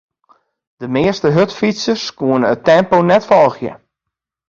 De measte hurdfytsers koene it tempo net folgje.